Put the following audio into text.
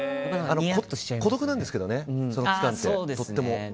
孤独なんですけどねその期間って。